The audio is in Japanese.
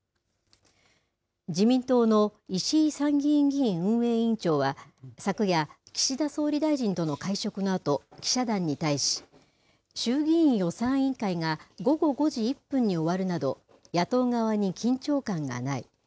自民党の石井参議院議院運営委員長は、昨夜、岸田総理大臣との会食のあと、記者団に対し、衆議院予算委員会が午後５時１分に終わるなど、野党側に緊張感がない。